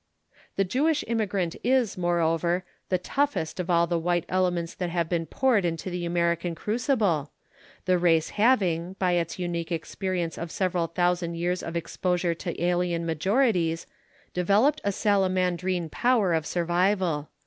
The Jewish immigrant is, moreover, the toughest of all the white elements that have been poured into the American crucible, the race having, by its unique experience of several thousand years of exposure to alien majorities, developed a salamandrine power of survival.